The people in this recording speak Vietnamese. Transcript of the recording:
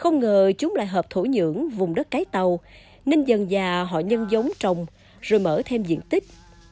không ngờ chúng lại hợp thổ nhưỡng vùng đất cái tàu nên dần dà họ nhân giống trồng rồi mở thêm diện tích